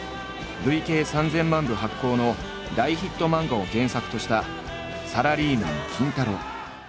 累計３，０００万部発行の大ヒット漫画を原作とした「サラリーマン金太郎」。